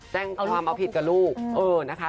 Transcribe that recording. แจ้งความเอาผิดกับลูกเออนะคะ